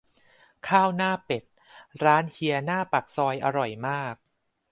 ข้าวหน้าเป็ด ร้านเฮียหน้าปากซอย อร่อยมาก